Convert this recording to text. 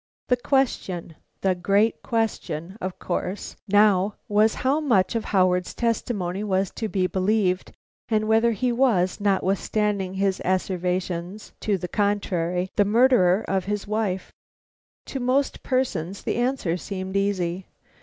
The question the great question, of course, now was how much of Howard's testimony was to be believed, and whether he was, notwithstanding his asseverations to the contrary, the murderer of his wife. To most persons the answer seemed easy.